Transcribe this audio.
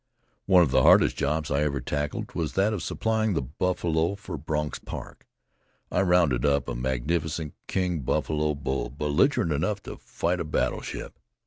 "One of the hardest jobs I ever tackled was that of supplying the buffalo for Bronx Park. I rounded up a magnificent 'king' buffalo bull, belligerent enough to fight a battleship.